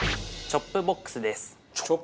チョップボックス？